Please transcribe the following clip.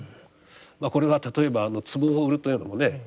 これは例えば壺を売るというのもね